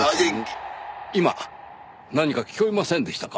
今何か聞こえませんでしたか？